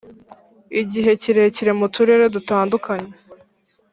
igihe kirekire mu turere dutandukanye